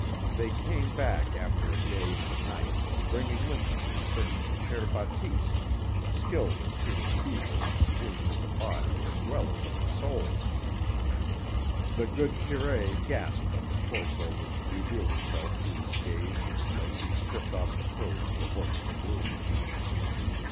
They came, back after a day and a night, bringing with them a certain Père Batiste, skilled in treating fevers and wounds of the body as well as of the soul. The good curé gasped at the torso which revealed itself to his gaze as he stripped off the clothes to work at the wound.